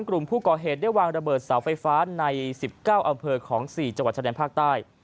กลุ่มผู้ก่อเหตุได้วางระเบิดเสาไฟฟ้าใน๑๙อำเภอของ๔จังหวัดชะแดนภาคใต้